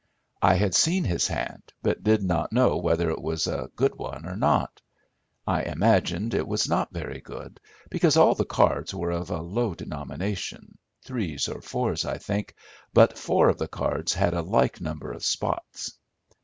I had seen his hand, but did not know whether it was a good one or not. I imagined it was not very good, because all the cards were of a low denomination. Threes or fours I think, but four of the cards had a like number of spots.